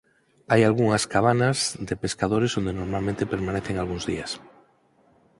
Hai algunhas cabanas de pescadores onde normalmente permanecen algúns días.